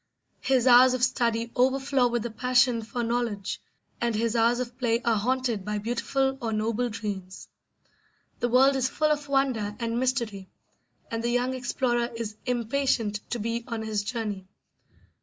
His hours of study overflow with the passion for knowledge, and his hours of play are haunted by beautiful or noble dreams. The world is full of wonder and mystery, and the young explorer is impatient to be on his journey.